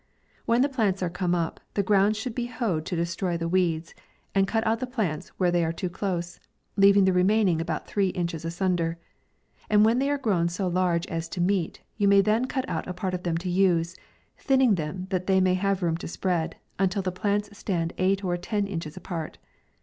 When the plants are come up, the ground should be hoed to destroy the weeds, and cut out the plants where they are too close, leaving the remaining about three inches ^sunder ; and when they are grown so large as to meet, you may then cut out a part of it to use, thinning them that they may have room to spread, until the plants stand eight or ten inches apart.